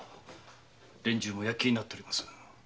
連中も躍起になっております。